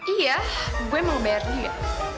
iya gue mau bayar juga